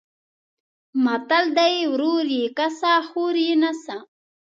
متل دی: ورور یې کسه خور یې نسه.